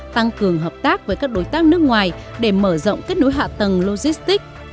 tăng cường hợp tác với các đối tác nước ngoài để mở rộng kết nối hạ tầng logistics